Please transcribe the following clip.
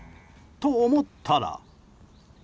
と、思ったら。